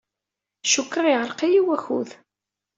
Cukkteɣ yeɛreq-iyi wakud.